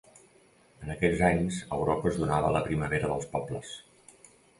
En aquests anys a Europa es donava la Primavera dels Pobles.